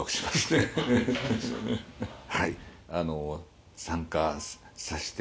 はい！